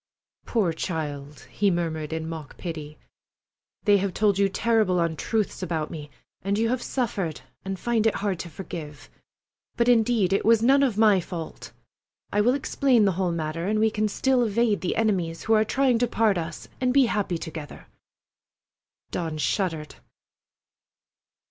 "Poor child!" he murmured in mock pity. "They have told you terrible untruths about me, and you have suffered and find it hard to forgive. But, indeed, it was none of my fault. I will explain the whole matter, and we can still evade the enemies who are trying to part us, and be happy together." Dawn shuddered!